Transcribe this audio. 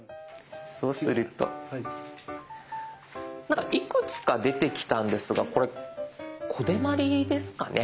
そうするといくつか出てきたんですがこれコデマリですかね。